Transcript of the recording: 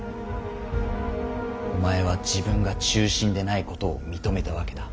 お前は自分が忠臣でないことを認めたわけだ。